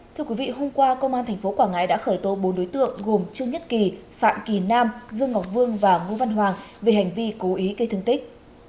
thưa quý vị hôm qua công an tp quảng ngãi đã khởi tố bốn đối tượng gồm trương nhất kỳ phạm kỳ nam dương ngọc vương và ngô văn hoàng về hành vi cố ý gây thương tích